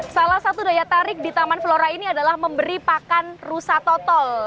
salah satu daya tarik di taman flora ini adalah memberi pakan rusa total